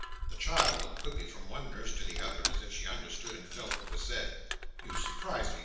The child looked quickly from one nurse to the other, as if she understood and felt what was said. "You surprise me!"